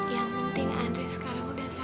yang penting andri sekarang udah sadar